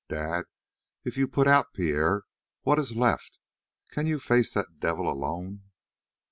Dad, if you put out Pierre what is left? Can you face that devil alone?"